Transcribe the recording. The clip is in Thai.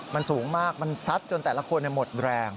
มันสูงมากมันซัดจนแต่ละคนหมดแรง